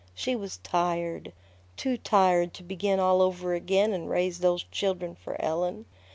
She was tired. Too tired to begin all over again and raise those children for Ellen.